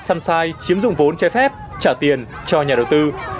sunshine chiếm dụng vốn trái phép trả tiền cho nhà đầu tư